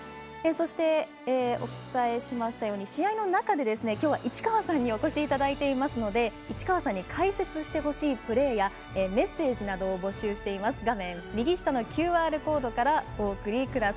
そして、お伝えしましたように試合の中できょうは市川さんにお越しいただいていますので市川さんに解説してほしいプレーやメッセージなどを募集しています。